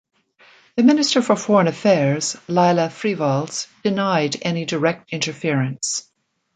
The Minister for Foreign Affairs, Laila Freivalds, denied any direct interference.